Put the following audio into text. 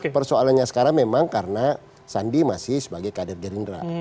persoalannya sekarang memang karena sandi masih sebagai kader gerindra